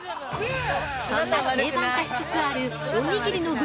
そんな定番化しつつあるおにぎりの具